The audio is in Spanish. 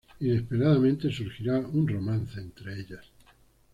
Inesperadamente, surgirá un romance entre ellas.